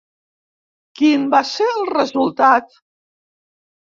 Quin va ser el resultat?